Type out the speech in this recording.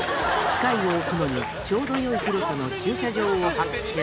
機械を置くのにちょうどよい広さの駐車場を発見。